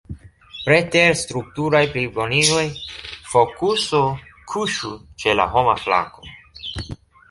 Preter strukturaj plibonigoj, fokuso kuŝu ĉe la homa flanko.